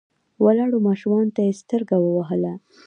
ولاړو ماشومانو ته يې سترګه ووهله.